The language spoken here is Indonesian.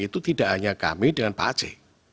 itu tidak hanya kami dengan pak aceh